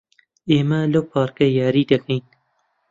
ئێمە لەو پارکە یاری دەکەین.